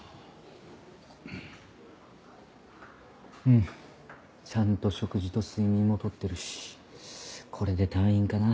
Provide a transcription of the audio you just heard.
うんちゃんと食事と睡眠も取ってるしこれで退院かな。